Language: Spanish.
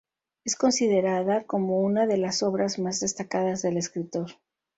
Es considerada como una de las obras más destacadas del escritor.